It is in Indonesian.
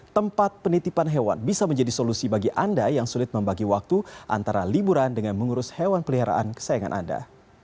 tempat penitipan hewan bisa menjadi solusi bagi anda yang sulit membagi waktu antara liburan dengan mengurus hewan peliharaan kesayangan anda